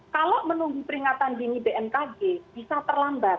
kalau menunggu peringatan dini bmkg bisa terlambat